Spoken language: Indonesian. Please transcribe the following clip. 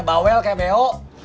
bawel kayak beo